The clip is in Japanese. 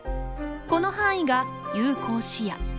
この範囲が有効視野。